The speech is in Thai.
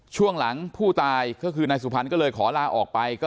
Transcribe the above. ช่วงหลังผู้ตายก็คือนายสุพรรณก็เลยขอลาออกไป